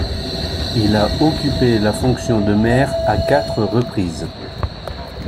Il a occupé la fonction de Maire à quatre reprises.